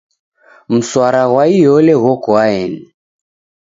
Msara ghwa iole ghoko aeni.